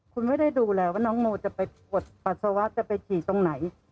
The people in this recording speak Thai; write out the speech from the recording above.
คุณไม่ได้ดูแลว่าน้องโมจะไปปวดปัสสาวะจะไปฉี่ตรงไหน